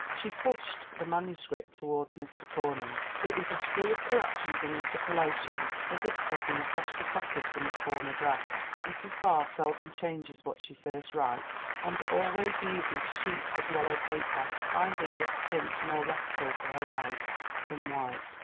She pushed the manuscript toward Mr. Corning; it was 306 THE WOMEN WHO MAKE OUR NOVELS as free of corrections and interpolations as if it had been freshly copied from a former draft. Mrs. Barr seldom changes what she first writes and always uses sheets of yellow paper, finding this tint more restful to her eyes than white.